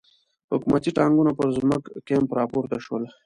حکومتي ټانګونه پر زموږ کمپ را پورته شول.